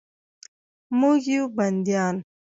موږ یو بندیان